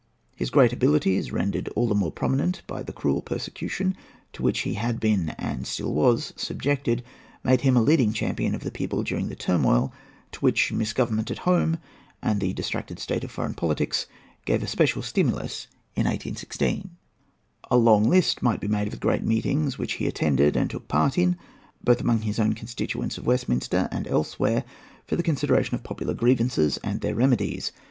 His great abilities, rendered all the more prominent by the cruel persecution to which he had been and still was subjected, made him a leading champion of the people during the turmoil to which misgovernment at home, and the distracted state of foreign politics, gave a special stimulus in 1816. A long list might be made of the great meetings which he attended, and took part in, both among his own constituents of Westminster and elsewhere, for the consideration of popular grievances and their remedies.